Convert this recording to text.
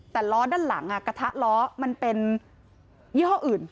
แต่ล้อด้านหลังกระทะล้อมันเป็นยี่ห้ออื่น